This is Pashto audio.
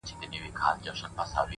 • د لېوني د ژوند سُر پر یو تال نه راځي،